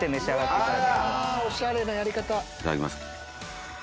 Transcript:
いただきます。